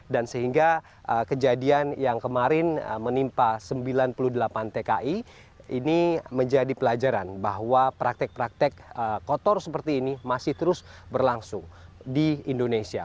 dan sehingga kejadian yang kemarin menimpa sembilan puluh delapan tki ini menjadi pelajaran bahwa praktek praktek kotor seperti ini masih terus berlangsung di indonesia